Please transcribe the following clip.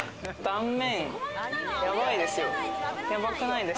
断面やばいですよ。